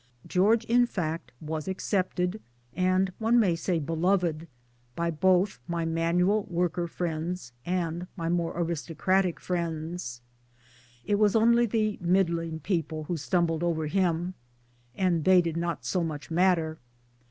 George in fact was accepted and one may say beloved by both my manual worker friends and my more aristocratic friends. It was only the middling people who stumbled over him ; and they did not so much matter